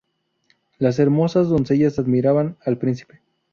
Las hermosas doncellas admiraban al príncipe.